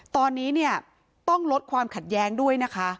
ตอนนี้เนี่ยต้องลดความขัดแย้งด้วยนะคะ